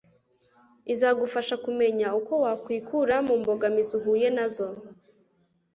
izagufasha kumenya uko wakwikura mu mbogamizi uhuye na zo